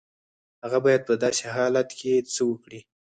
هغه بايد په داسې حالت کې څه وکړي؟